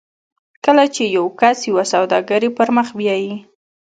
کله چې یو کس یوه سوداګري پر مخ بیایي